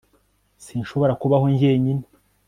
Sinshobora kubaho njyenyine